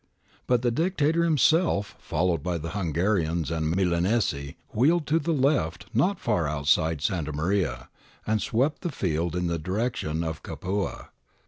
But the Dictator himself, followed by the Hungarians and Milanese, wheeled to the left not far outside Santa Maria, and swept the field in the direction of Capua.